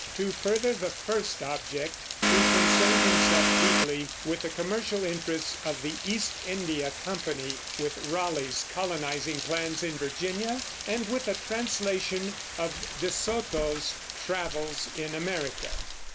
To further the first object he concerned himself deeply with the commercial interests of the East India Company, with Raleigh's colonizing plans in Virginia, and with a translation of De Soto's travels in America.